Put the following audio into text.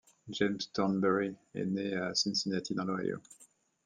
James Thornbury est né à Cincinnati dans l'Ohio.